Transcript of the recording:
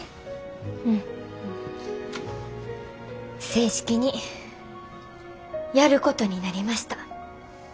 正式にやることになりました。